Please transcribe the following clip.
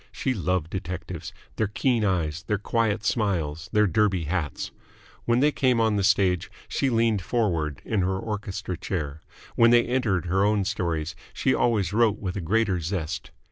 She loved detectives their keen eyes, their quiet smiles, their Derby hats. When they came on the stage, she leaned forward in her orchestra chair; when they entered her own stories, she always wrote with a greater zest.